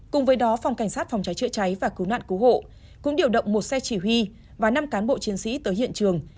cùng với đó phòng cảnh sát phòng cháy chữa cháy và cứu nạn cứu hộ cũng điều động một xe chỉ huy và năm cán bộ chiến sĩ tới hiện trường